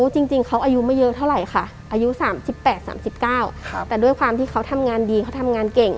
จริงเขาอายุไม่เยอะเท่าไหร่ค่ะอายุ๓๘๓๙แต่ด้วยความที่เขาทำงานดีเขาทำงานเก่ง